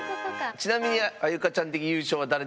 ちなみにあゆかちゃん的優勝は誰でしょうか？